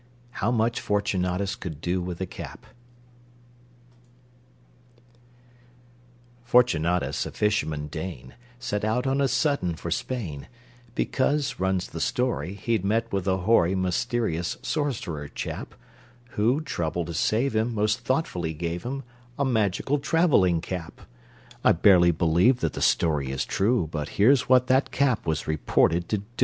How Much Fortunatus Could Do with a Cap Fortunatus, a fisherman Dane, Set out on a sudden for Spain, Because, runs the story, He'd met with a hoary Mysterious sorcerer chap, Who, trouble to save him, Most thoughtfully gave him A magical traveling cap. I barely believe that the story is true, But here's what that cap was reported to do.